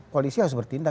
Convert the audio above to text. polisi harus bertindak